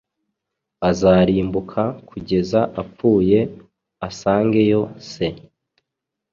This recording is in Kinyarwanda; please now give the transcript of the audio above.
Azarimbuka kugeza apfuye asangeyo se